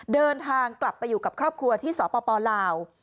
เดินทางกลับไปอยู่กับครอบครัวที่สปลาว